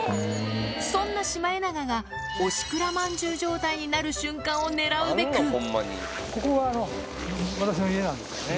そんなシマエナガがおしくらまんじゅう状態になる瞬間を狙うここが私の家なんですよね。